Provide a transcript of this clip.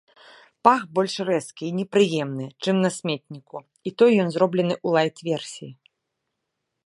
Пах больш рэзкі і непрыемны, чым на сметніку, і тое ён зроблены ў лайт-версіі.